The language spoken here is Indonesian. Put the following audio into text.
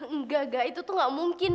enggak enggak itu tuh gak mungkin